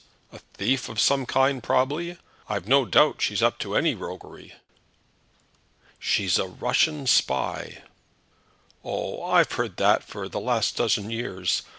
A thief of some kind probably. I've no doubt she's up to any roguery." "She's a Russian spy." "Oh, I've heard of that for the last dozen years.